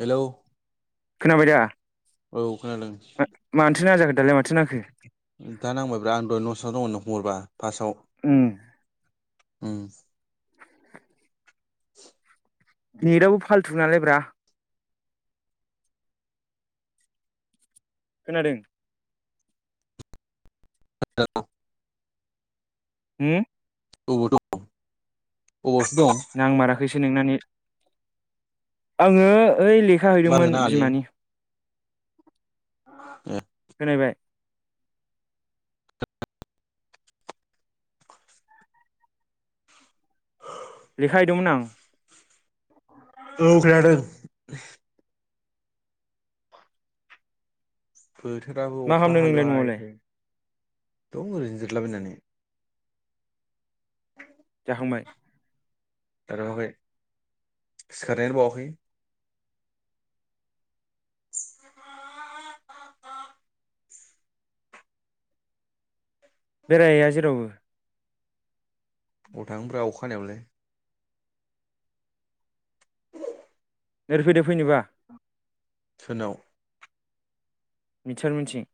Hello खोनाबाय दा औ खोनादों मानोथो नाङा जाखो दालाय माथो नांखो दा नांबायब्रा आं दहाय न' सिङाव दङमोन नों फन हरबा फार्स्टआव ओम ओम नेटआबो फाल्थु नालाय ब्रा खोनादों [unintelligible] होम अबाव दं अबावथो दं? नांमाराखैसो नोंना नेत आङो ओइ लेखा बारनो हैदोंमोन नाङालै बिमानि ए खोना हैबाय लेखा हैदोंमोन आं। औ खोनादों। बोथोराबो मा अखा खालामदों नोंलाय हालुबाय न'आवलाय थायो दं ओरैनो जिरायला बायनानै। जाखांबाय। जाथ'आखै सिखारनायआनो बावआखै। बेरायहैया जेरावबो। अबाव थांनोब्रा अखाहानायावलाय। ओरै फैदो फैनोबा। सोरनाव। मिथिसार मोनथिं।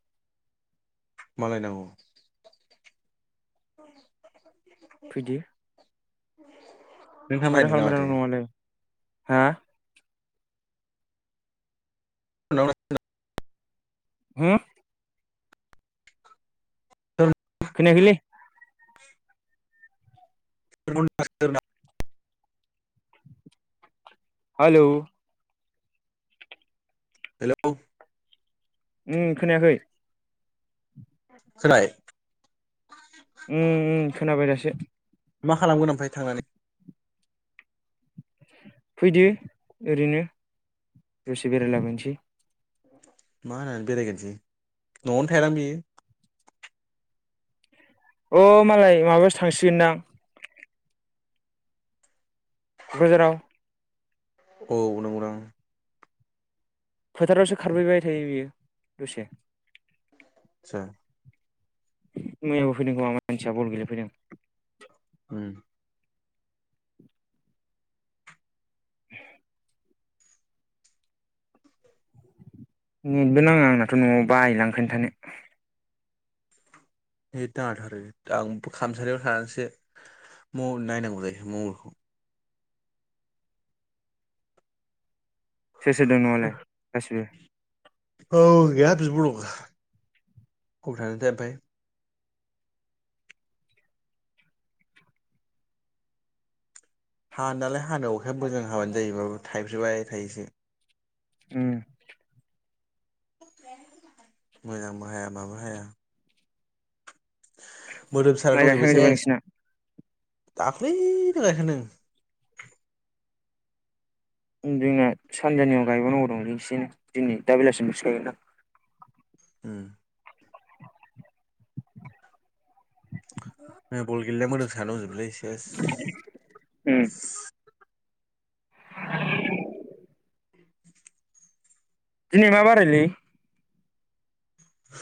मा लायनांगौ। फैदो। माथो खालामबाय दं [unintelligible] न'आवलाय हा? [unintelligible] होम। [unintelligible] खोनायाखैलै। [unintelligible] हेलौ। हेल'। उम खोनायाखै। खोनाबाय। उम उम खोनाबाय दासो। मा खालामगोन ओमफ्राय थांनानै। फैदो ओरैनो दसे बेरायलाबायनोसै। मा होननानै बेरायगोनोसै न'आवनो थायाना बियो। अ मालाय माबायावसो थांसिगोनदां। क'क्राझाराव। औ नंगौ नोंथां। फोथारावसो खारफैबाय थायो बियो दसे। आतसा। मैयाबो फैदों खोमा मानसिया बल गेलेफैदों। उम। [inaudible] नेटबो नाङा आंनाथ' न'आव बायोलां ओंखायनो थानो। नेट नाङाथ' आरो आंबो खामसालायाव थानानैसो म नायनांगौ जायो मबाइलखौ सोर सोर दोंङो नंआवलाय गासैबो। औ गैया बिब दं अबाव थांदोंथाय ओमफ्राय। हानो नालाय हानो अखाया मोजां हाबानो जायो माबा थाइफ्रिबाय थाइयोसो। उम। मोजांबो हाया माबो हाया। मोदोम साना माइ दंजोबो गायखांजोबबाय सेस नोंसिना दाख्लैनो गायखांदों। जोंना सानजाना गायबाव नांगौ दं दिनि दा बेलासियाव [unintelligible] उम। मैया बल गेलनाया मोदोम साना दंजोबोलै सेस। उम। [inaudible] दिनै मा बारायलै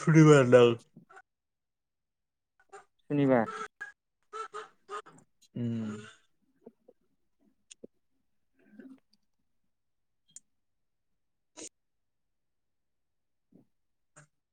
सुनिबार दां सुनिबार उम